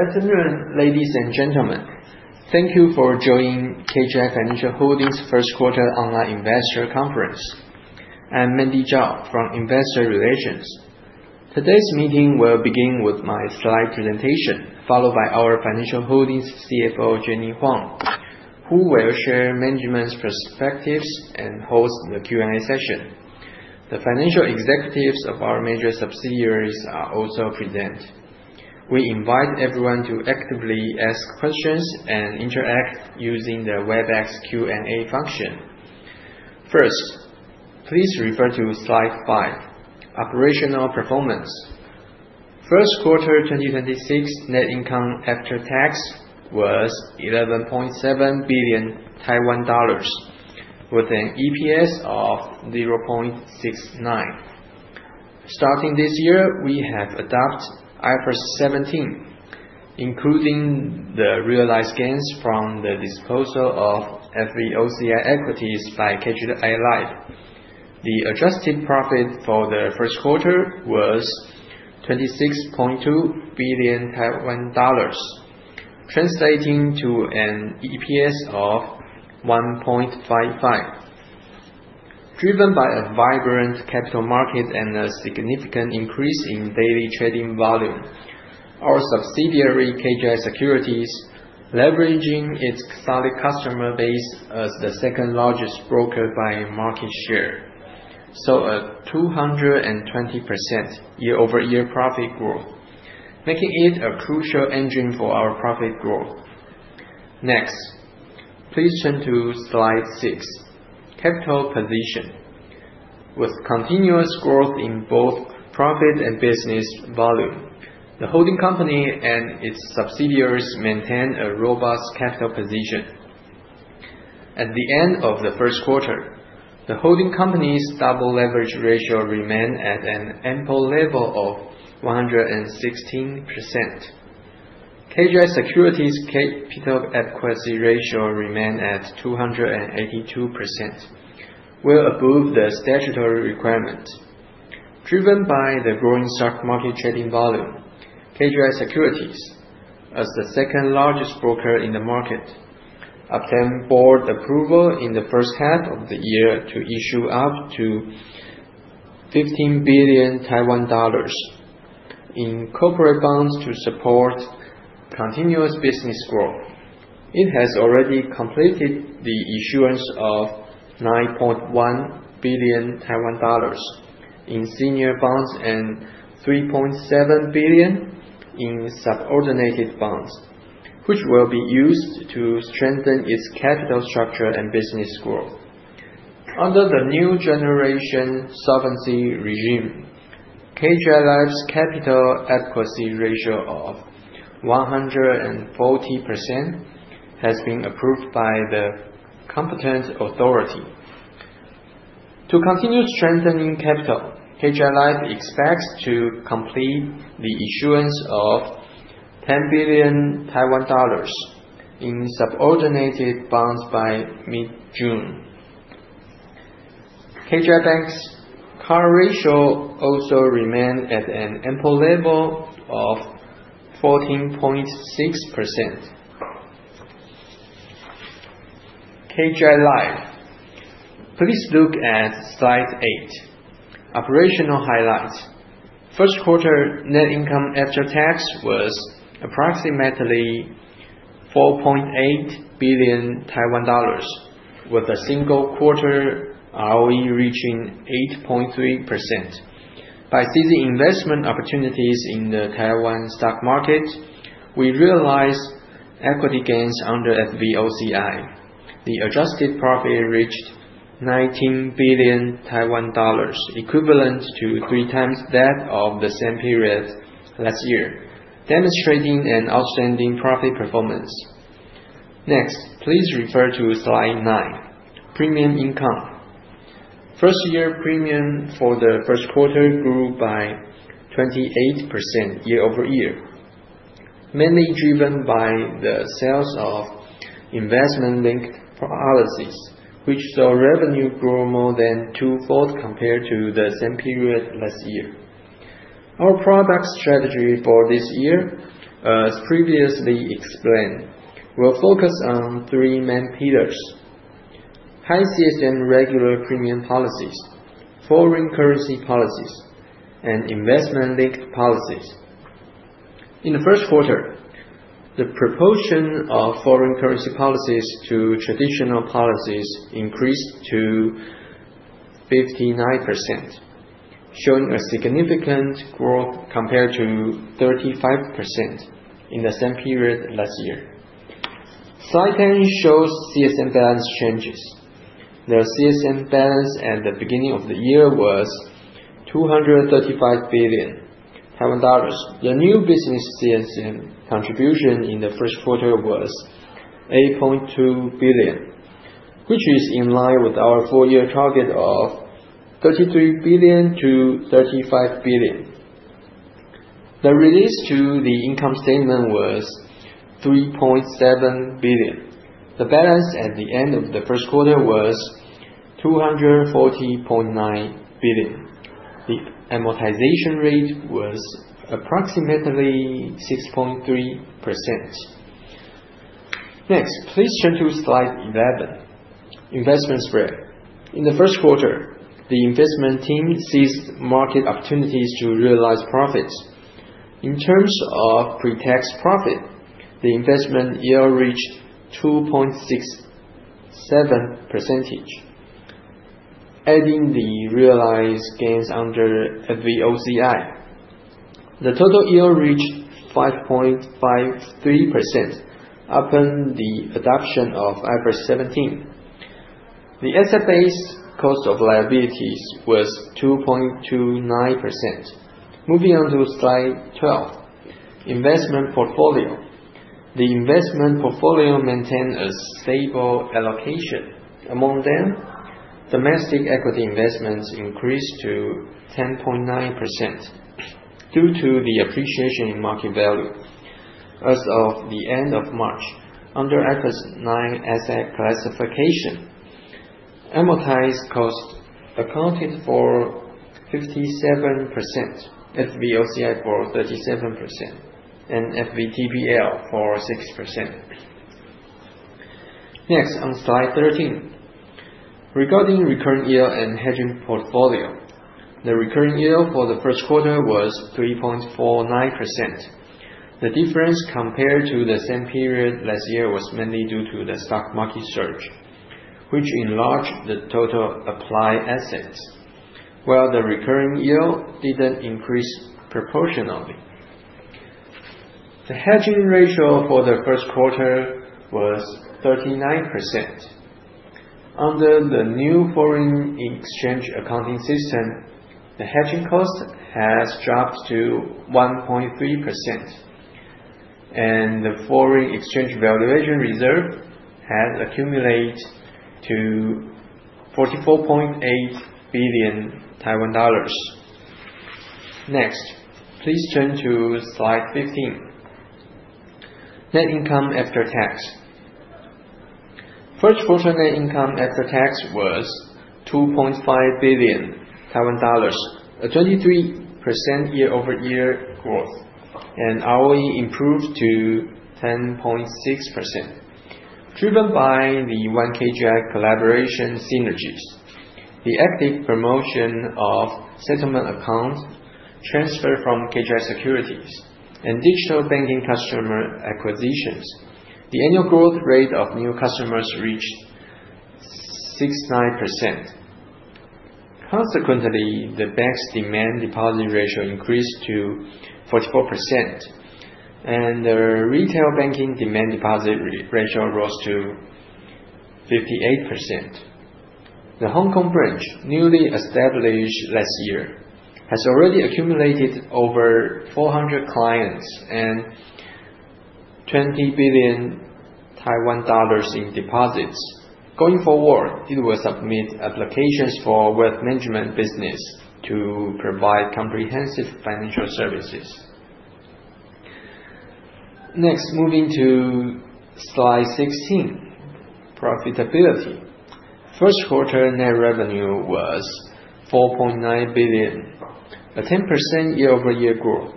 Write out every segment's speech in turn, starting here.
Good afternoon, ladies and gentlemen. Thank you for joining KGI Financial Holding's first quarter online investor conference. I'm Mandy Zhao from Investor Relations. Today's meeting will begin with my slide presentation, followed by our KGI Financial Holding's CFO, Jenny Huang, who will share management's perspectives and host the Q&A session. The financial executives of our major subsidiaries are also present. We invite everyone to actively ask questions and interact using the Webex Q&A function. First, please refer to slide five, operational performance. First quarter 2026 net income after tax was NTD 11.7 billion, with an EPS of 0.69. Starting this year, we have adopted IFRS 17, including the realized gains from the disposal of FVOCI equities by KGI Life. The adjusted profit for the first quarter was NTD 26.2 billion, translating to an EPS of 1.55. Driven by a vibrant capital market and a significant increase in daily trading volume, our subsidiary, KGI Securities, leveraging its solid customer base as the second largest broker by market share, saw a 220% year-over-year profit growth, making it a crucial engine for our profit growth. Next, please turn to slide six, capital position. With continuous growth in both profit and business volume, the holding company and its subsidiaries maintain a robust capital position. At the end of the first quarter, the holding company's double leverage ratio remained at an ample level of 116%. KGI Securities capital adequacy ratio remained at 282%, well above the statutory requirement. Driven by the growing stock market trading volume, KGI Securities, as the second largest broker in the market, obtained board approval in the first half of the year to issue up to NTD 15 billion in corporate bonds to support continuous business growth. It has already completed the issuance of NTD 9.1 billion in senior bonds and NTD 3.7 billion in subordinated bonds, which will be used to strengthen its capital structure and business growth. Under the new generation solvency regime, KGI Life's capital adequacy ratio of 114% has been approved by the competent authority. To continue strengthening capital, KGI Life expects to complete the issuance of NTD 10 billion in subordinated bonds by mid-June. KGI Bank's CAR ratio also remained at an ample level of 14.6%. KGI Life. Please look at slide eight, operational highlights. First quarter net income after tax was approximately NTD 4.8 billion, with a single quarter ROE reaching 8.3%. By seizing investment opportunities in the Taiwan stock market, we realized equity gains under FVOCI. The adjusted profit reached NTD 19 billion, equivalent to three times that of the same period last year, demonstrating an outstanding profit performance. Next, please refer to slide nine, premium income. First-year premium for the first quarter grew by 28% year-over-year, mainly driven by the sales of investment-linked policies, which saw revenue grow more than twofold compared to the same period last year. Our product strategy for this year, as previously explained, will focus on three main pillars: high CSM regular premium policies, foreign currency policies, and investment-linked policies. In the first quarter, the proportion of foreign currency policies to traditional policies increased to 59%, showing a significant growth compared to 35% in the same period last year. Slide 10 shows CSM balance changes. The CSM balance at the beginning of the year was NTD 235 billion. The new business CSM contribution in the first quarter was NTD 8.2 billion, which is in line with our full-year target of NTD 33 billion-NTD 35 billion. The release to the income statement was NTD 3.7 billion. The balance at the end of the first quarter was NTD 240.9 billion. The amortization rate was approximately 6.3%. Next, please turn to slide 11, investment spread. In the first quarter, the investment team seized market opportunities to realize profits. In terms of pre-tax profit, the investment yield reached 2.67%. Adding the realized gains under FVOCI, the total yield reached 5.53% upon the adoption of IFRS 17. The asset base cost of liabilities was 2.29%. Moving on to slide 12, investment portfolio. The investment portfolio maintained a stable allocation. Among them, domestic equity investments increased to 10.9% due to the appreciation in market value. As of the end of March, under IFRS 9 asset classification, amortized cost accounted for 57%, FVOCI for 37%, and FVTPL for 6%. Next, on slide 13. Regarding recurring yield and hedging portfolio, the recurring yield for the first quarter was 3.49%. The difference compared to the same period last year was mainly due to the stock market surge, which enlarged the total applied assets, while the recurring yield didn't increase proportionally. The hedging ratio for the first quarter was 39%. Under the new foreign exchange accounting system, the hedging cost has dropped to 1.3%, and the foreign exchange valuation reserve has accumulated to NTD 44.8 billion. Next, please turn to slide 15, net income after tax. First quarter net income after tax was NTD 2.5 billion, a 23% year-over-year growth, and ROE improved to 10.6%, driven by the ONE KGI collaboration synergies, the active promotion of settlement accounts, transfer from KGI Securities, and digital banking customer acquisitions. The annual growth rate of new customers reached 69%. Consequently, the bank's demand deposit ratio increased to 44%, and the retail banking demand deposit ratio rose to 58%. The Hong Kong branch, newly established last year, has already accumulated over 400 clients and NTD 20 billion in deposits. Going forward, it will submit applications for wealth management business to provide comprehensive financial services. Next, moving to slide 16, profitability. First quarter net revenue was NTD 4.9 billion, a 10% year-over-year growth.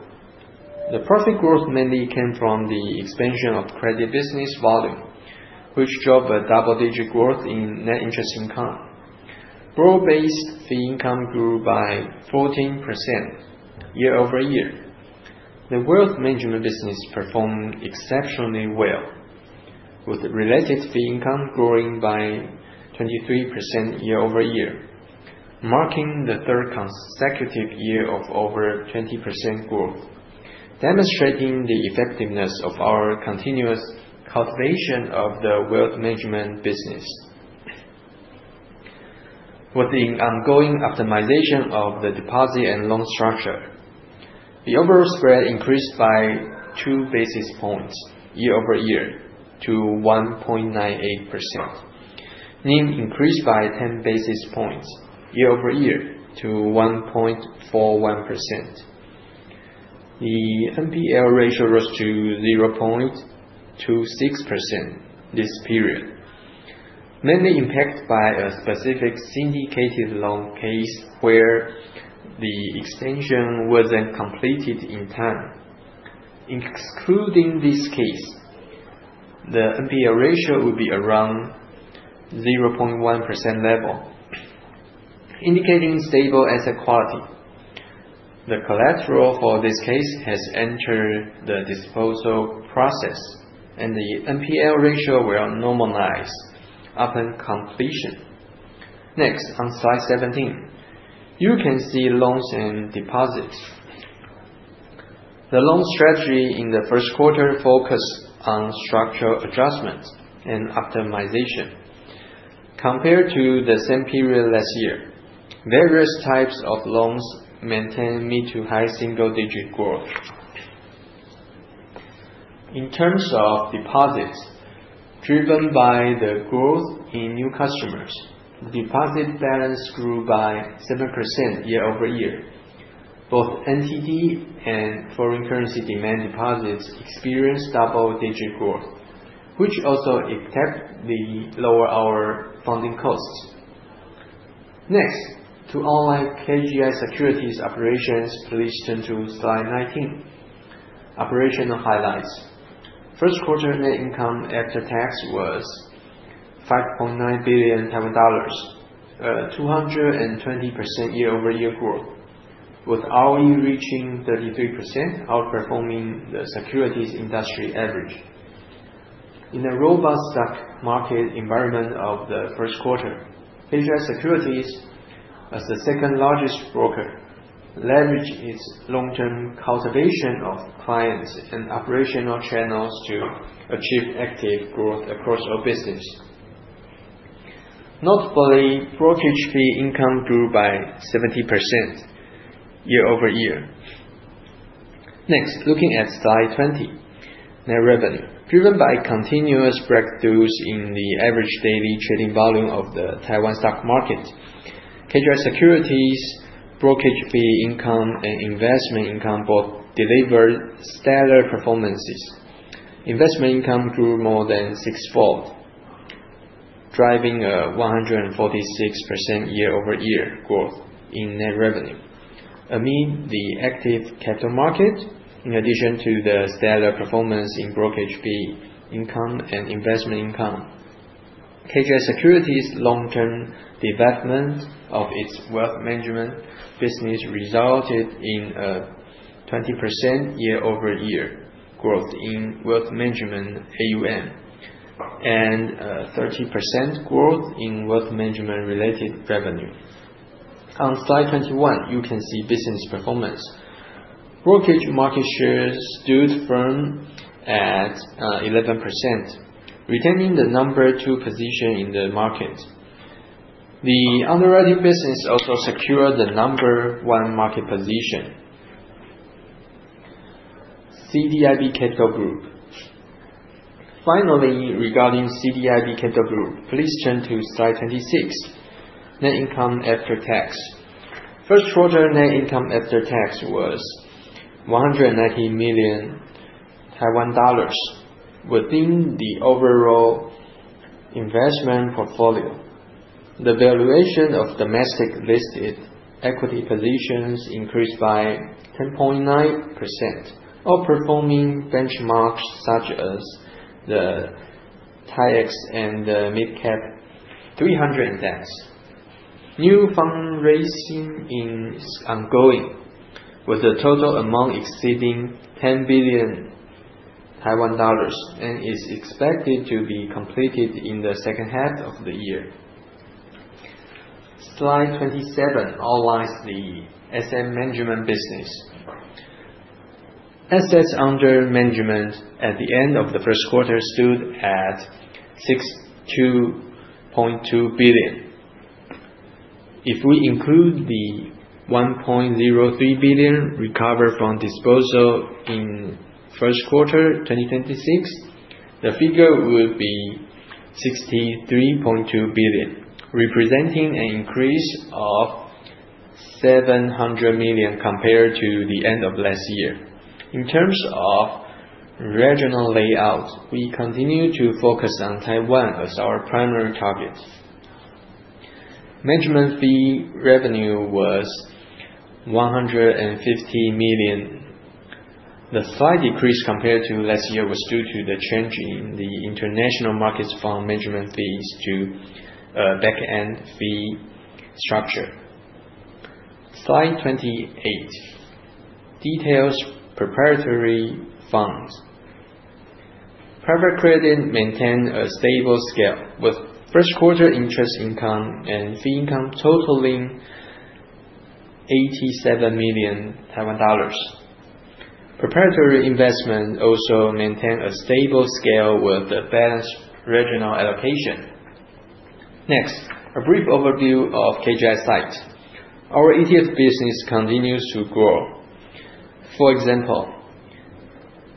The profit growth mainly came from the expansion of credit business volume, which drove a double-digit growth in net interest income. Broad-based fee income grew by 14% year-over-year. The wealth management business performed exceptionally well, with related fee income growing by 23% year-over-year, marking the third consecutive year of over 20% growth, demonstrating the effectiveness of our continuous cultivation of the wealth management business. With the ongoing optimization of the deposit and loan structure, the overall spread increased by two basis points year-over-year to 1.98%. NIM increased by 10 basis points year-over-year to 1.41%. The NPL ratio rose to 0.26% this period, mainly impacted by a specific syndicated loan case where the extension wasn't completed in time. Excluding this case, the NPL ratio would be around 0.1% level, indicating stable asset quality. The collateral for this case has entered the disposal process, and the NPL ratio will normalize upon completion. Next, on slide 17, you can see loans and deposits. The loan strategy in the first quarter focused on structural adjustments and optimization. Compared to the same period last year, various types of loans maintained mid- to high-single digit growth. In terms of deposits, driven by the growth in new customers, deposit balance grew by 7% year-over-year. Both NTD and foreign currency demand deposits experienced double-digit growth, which also effectively lowered our funding costs. Next, to outline KGI Securities operations, please turn to slide 19, Operational Highlights. First quarter net income after tax was NTD 5.9 billion, a 220% year-over-year growth, with ROE reaching 33%, outperforming the securities industry average. In a robust stock market environment of the first quarter, KGI Securities, as the second largest broker, leveraged its long-term cultivation of clients and operational channels to achieve active growth across all business. Notably, brokerage fee income grew by 70% year-over-year. Looking at slide 20, Net Revenue. Driven by continuous breakthroughs in the average daily trading volume of the Taiwan Stock Market, KGI Securities brokerage fee income and investment income both delivered stellar performances. Investment income grew more than six-fold, driving a 146% year-over-year growth in net revenue. Amid the active capital market, in addition to the stellar performance in brokerage fee income and investment income, KGI Securities' long-term development of its wealth management business resulted in a 20% year-over-year growth in wealth management AUM, and a 13% growth in wealth management-related revenue. On slide 21, you can see business performance. Brokerage market share stood firm at 11%, retaining the number 2 position in the market. The underwriting business also secured the number 1 market position. CDIB Capital Group. Regarding CDIB Capital Group, please turn to slide 26, Net Income After Tax. First quarter net income after tax was NTD 190 million. Within the overall investment portfolio, the valuation of domestic listed equity positions increased by 10.9%, outperforming benchmarks such as the TAIEX and the MidCap 300 Index. New fundraising is ongoing, with a total amount exceeding NTD 10 billion, and is expected to be completed in the second half of the year. Slide 27 outlines the asset management business. Assets under management at the end of the first quarter stood at NTD 62.2 billion. If we include the NTD 1.03 billion recovered from disposal in first quarter 2026, the figure would be NTD 63.2 billion, representing an increase of NTD 700 million compared to the end of last year. In terms of regional layout, we continue to focus on Taiwan as our primary target. Management fee revenue was NTD 150 million. The slight decrease compared to last year was due to the change in the international markets fund management fees to a back-end fee structure. Slide 28 details proprietary funds. Private credit maintained a stable scale, with first quarter interest income and fee income totaling NTD 87 million. Proprietary investment also maintained a stable scale with a balanced regional allocation. A brief overview of KGI SITE. Our ETF business continues to grow. For example,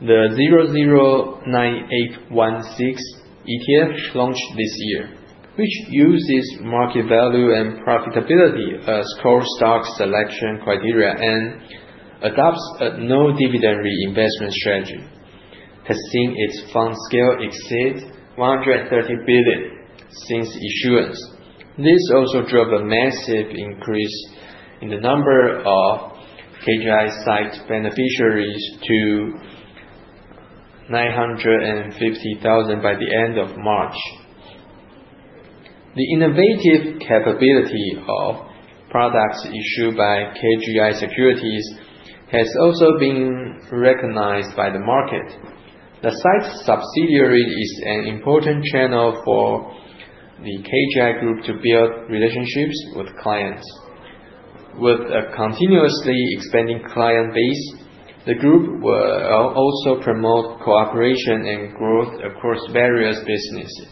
the 009816 ETF launched this year, which uses market value and profitability as core stock selection criteria and adopts a no-dividend reinvestment strategy, has seen its fund scale exceed NTD 130 billion since issuance. This also drove a massive increase in the number of KGI SITE beneficiaries to 950,000 by the end of March. The innovative capability of products issued by KGI Securities has also been recognized by the market. The SITE subsidiary is an important channel for the KGI Group to build relationships with clients. With a continuously expanding client base, the Group will also promote cooperation and growth across various businesses.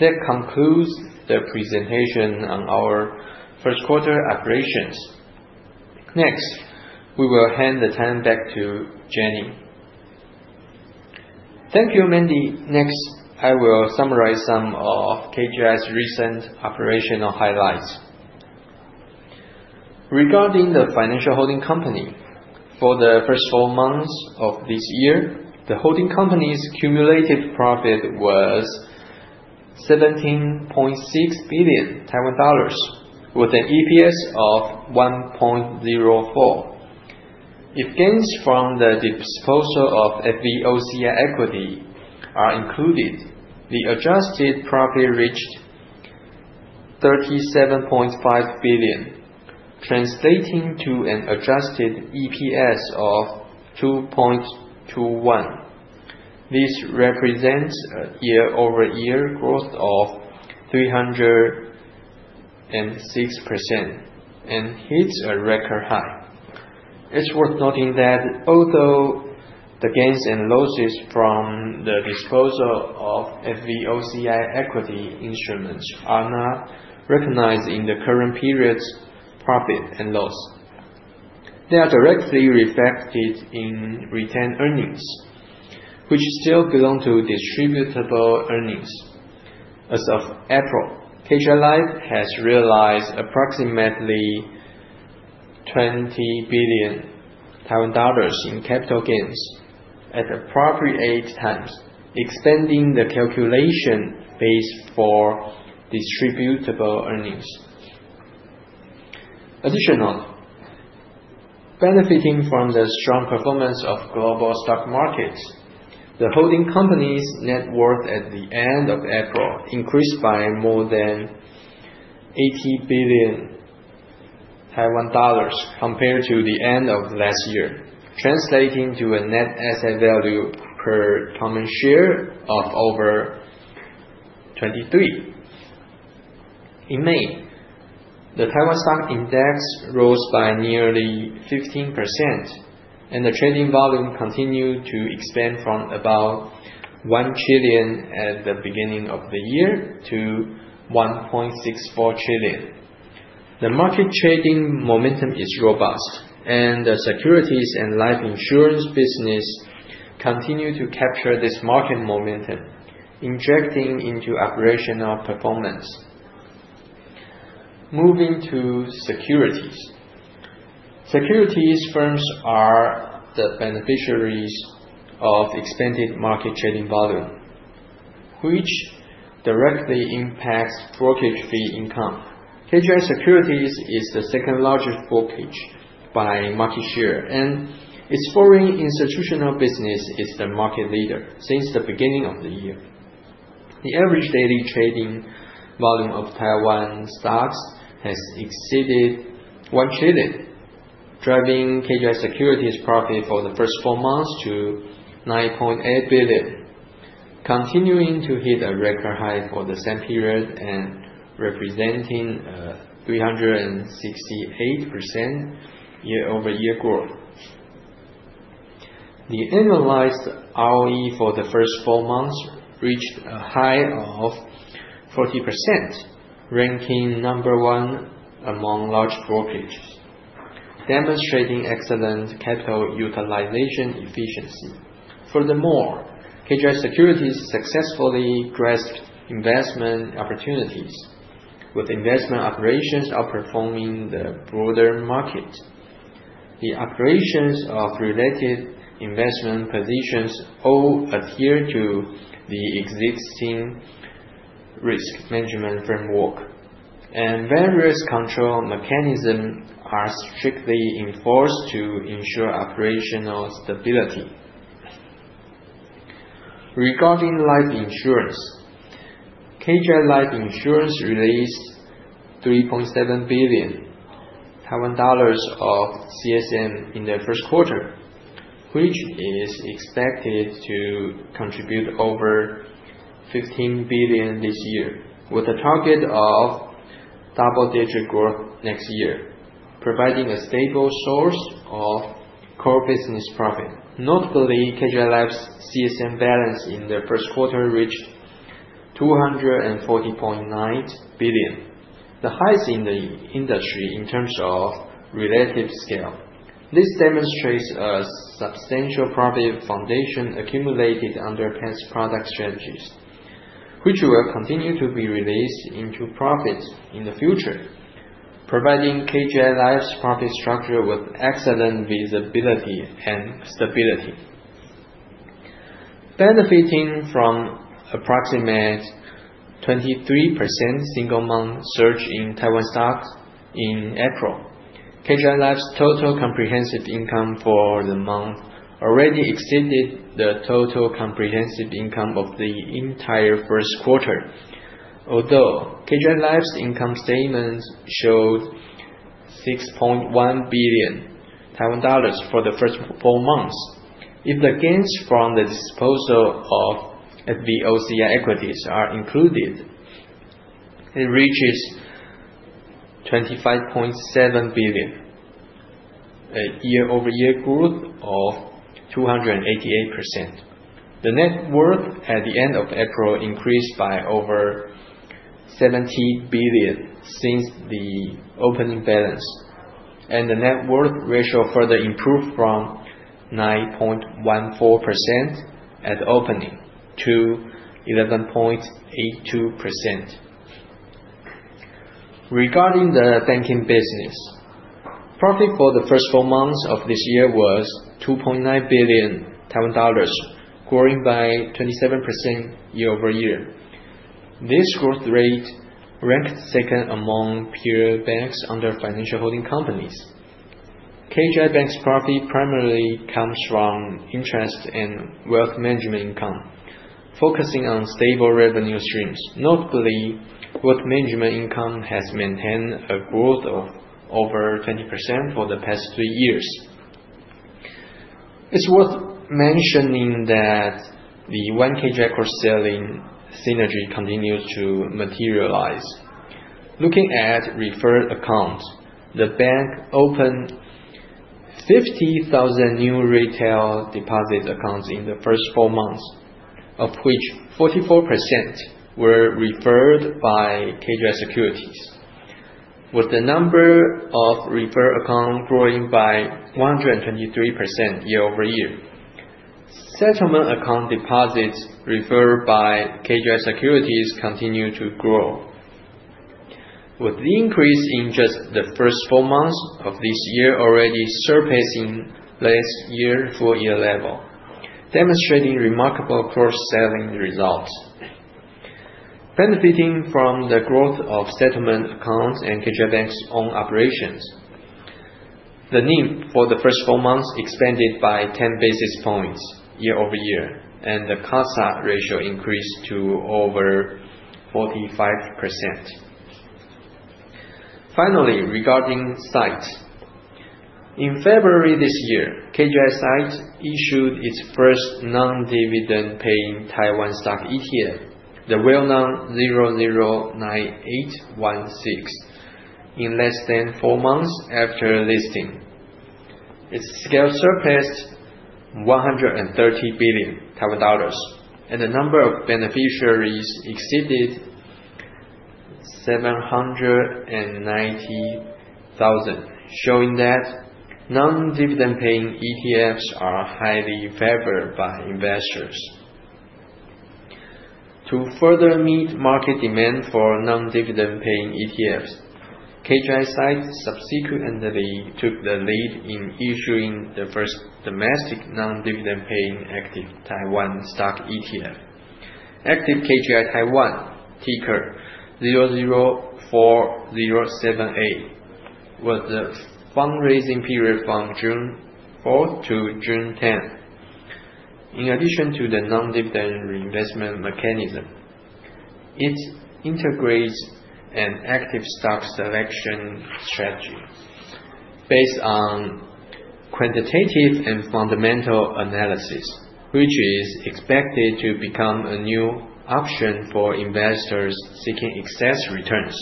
That concludes the presentation on our first quarter operations. We will hand the time back to Jenny. Thank you, Mandy. Next, I will summarize some of KGI's recent operational highlights. Regarding the financial holding company, for the first four months of this year, the holding company's cumulative profit was NTD 17.6 billion, with an EPS of 1.04. If gains from the disposal of FVOCI equity are included, the adjusted profit reached NTD 37.5 billion, translating to an adjusted EPS of 2.21. This represents a year-over-year growth of 306% and hits a record high. It is worth noting that although the gains and losses from the disposal of FVOCI equity instruments are not recognized in the current period's profit and loss, they are directly reflected in retained earnings, which still belong to distributable earnings. As of April, KGI Life has realized approximately NTD 20 billion in capital gains at appropriate times, extending the calculation base for distributable earnings. Additionally, benefiting from the strong performance of global stock markets, the holding company's net worth at the end of April increased by more than NTD 80 billion compared to the end of last year, translating to a net asset value per common share of over NTD 23. In May, the Taiwan Stock Index rose by nearly 15%, and the trading volume continued to expand from about NTD 1 trillion at the beginning of the year to NTD 1.64 trillion. The market trading momentum is robust, and the securities and life insurance business continue to capture this market momentum, injecting into operational performance. Moving to securities. Securities firms are the beneficiaries of expanded market trading volume, which directly impacts brokerage fee income. KGI Securities is the second-largest brokerage by market share, and its foreign institutional business is the market leader since the beginning of the year. The average daily trading volume of Taiwan stocks has exceeded NTD 1 trillion, driving KGI Securities' profit for the first four months to NTD 9.8 billion, continuing to hit a record high for the same period and representing a 368% year-over-year growth. The annualized ROE for the first four months reached a high of 40%, ranking number one among large brokerages, demonstrating excellent capital utilization efficiency. Furthermore, KGI Securities successfully grasped investment opportunities, with investment operations outperforming the broader market. The operations of related investment positions all adhere to the existing risk management framework, and various control mechanisms are strictly enforced to ensure operational stability. Regarding life insurance, KGI Life Insurance released NTD 3.7 billion of CSM in the first quarter, which is expected to contribute over NTD 15 billion this year, with a target of double-digit growth next year, providing a stable source of core business profit. Notably, KGI Life's CSM balance in the first quarter reached NTD 240.9 billion, the highest in the industry in terms of relative scale. This demonstrates a substantial profit foundation accumulated under past product strategies, which will continue to be released into profits in the future, providing KGI Life's profit structure with excellent visibility and stability. Benefiting from approximate 23% single-month surge in Taiwan stocks in April, KGI Life's total comprehensive income for the month already exceeded the total comprehensive income of the entire first quarter. Although KGI Life's income statements showed NTD 6.1 billion for the first four months, if the gains from the disposal of FVOCI equities are included, it reaches NTD 25.7 billion, a year-over-year growth of 288%. The net worth at the end of April increased by over NTD 70 billion since the opening balance, and the net worth ratio further improved from 9.14% at opening to 11.82%. Regarding the banking business, profit for the first four months of this year was NTD 2.9 billion, growing by 27% year-over-year. This growth rate ranked second among peer banks under financial holding companies. KGI Bank's profit primarily comes from interest and wealth management income, focusing on stable revenue streams. Notably, wealth management income has maintained a growth of over 20% for the past three years. It's worth mentioning that the ONE KGI cross-selling synergy continues to materialize. Looking at referred accounts, the bank opened 50,000 new retail deposit accounts in the first four months, of which 44% were referred by KGI Securities, with the number of referred account growing by 123% year-over-year. Settlement account deposits referred by KGI Securities continue to grow, with the increase in just the first four months of this year already surpassing last year's full year level, demonstrating remarkable cross-selling results. Benefiting from the growth of settlement accounts and KGI Bank's own operations, the NIM for the first four months expanded by 10 basis points year-over-year, and the CASA ratio increased to over 45%. Finally, regarding SITE. In February this year, KGI SITE issued its first non-dividend paying Taiwan stock ETF, the well-known 009816. In less than four months after listing, its scale surpassed NTD 130 billion, and the number of beneficiaries exceeded 790,000, showing that non-dividend paying ETFs are highly favored by investors. To further meet market demand for non-dividend paying ETFs, KGI SITE subsequently took the lead in issuing the first domestic non-dividend paying active Taiwan stock ETF. Active KGI Taiwan, ticker 004078, with the fundraising period from June 4 to June 10. In addition to the non-dividend reinvestment mechanism, it integrates an active stock selection strategy based on quantitative and fundamental analysis, which is expected to become a new option for investors seeking excess returns.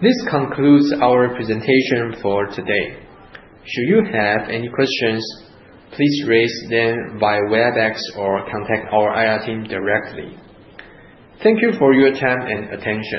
This concludes our presentation for today. Should you have any questions, please raise them by Webex or contact our IR team directly. Thank you for your time and attention.